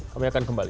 kami akan kembali